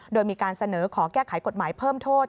โดยมีการเสนอขอแก้ไขกฎหมายเพิ่มโทษ